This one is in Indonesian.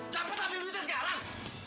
cepet ambil duitnya sekarang